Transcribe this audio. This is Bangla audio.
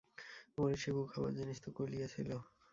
ওরে শিবু, খাবার জিনিস তো কুলিয়েছিল?